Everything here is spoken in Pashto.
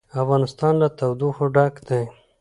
افغانستان له تودوخه ډک دی.